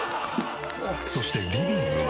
そしてリビングは。